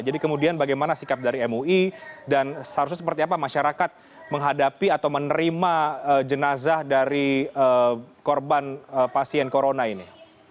jadi kemudian bagaimana sikap dari mui dan seharusnya seperti apa masyarakat menghadapi atau menerima jenazah dari korban pasien corona ini